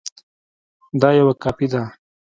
دا یوه کاپي ده